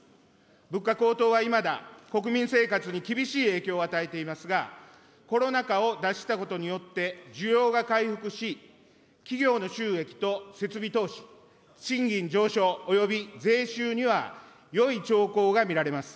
物価高騰はいまだ国民生活に厳しい影響を与えていますが、コロナ禍を脱したことによって需要が回復し、企業の収益と設備投資、賃金上昇および税収にはよい兆候が見られます。